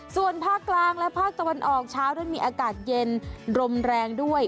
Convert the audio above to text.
ส่วนภาคกลางและภาคตะวันออกเช้านั้นมีอากาศเย็นลมแรงด้วย